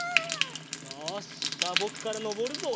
よしじゃあぼくからのぼるぞ。